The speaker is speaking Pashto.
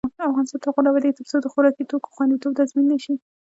افغانستان تر هغو نه ابادیږي، ترڅو د خوراکي توکو خوندیتوب تضمین نشي.